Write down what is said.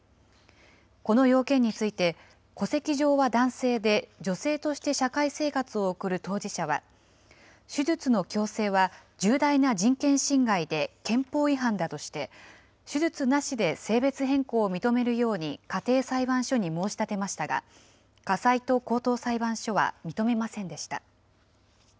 この要件について、戸籍上は男性で、女性として社会生活を送る当事者は、手術の強制は重大な人権侵害で憲法違反だとして、手術なしで性別変更を認めるように家庭裁判所に申し立てましたが、家裁と高等裁判所は認めませんでした。